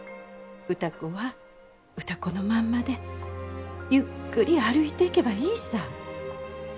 歌子は歌子のまんまでゆっくり歩いていけばいいさ。